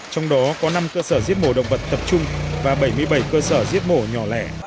trong đó có năm cơ sở giết mổ động vật tập trung và bảy mươi bảy cơ sở giết mổ nhỏ lẻ